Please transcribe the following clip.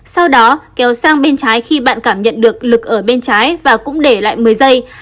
sau đó kéo sang bên trái khi bạn cảm nhận được lực ở bên trái và cũng để lại một mươi giây